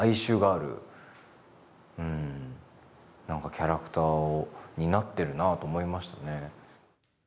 キャラクターになってるなと思いましたね。